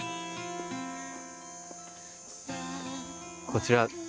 こちら。